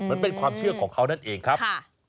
มันเป็นความเชื่อของเขานั่นเองครับ